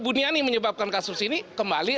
buniani menyebabkan kasus ini kembali